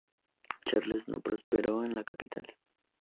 Charles no prosperó en la capital.